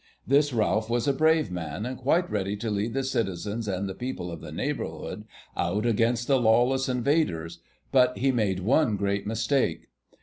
This Ralph was a brave man, and quite ready to lead the citizens and the people of the neighbourhood out against the lawless invaders, but he made one great mistake.